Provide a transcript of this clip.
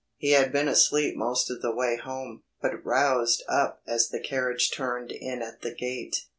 He had been asleep most of the way home, but roused up as the carriage turned in at the gate.